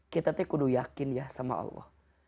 kita harus yakin ya sama allah